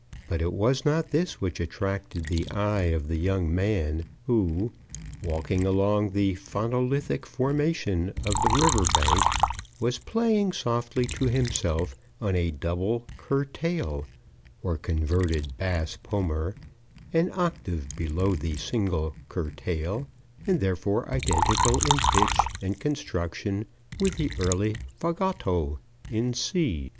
"] But it was not this which attracted the eye of the young man who, walking along the phonolithic formation of the river bank, was playing softly to himself on a double curtail, or converted bass pommer, an octave below the single curtail and therefore identical in pitch and construction with the early fagotto in C.